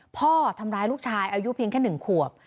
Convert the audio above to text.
พ่อทำร้ายลูกชายอายุเพียงแค่๑ขวบ